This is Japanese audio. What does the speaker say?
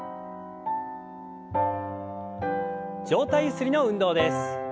上体ゆすりの運動です。